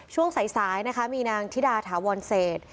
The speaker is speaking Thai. ช่วงสายนะคะมีนางธิดาถาวรเศษ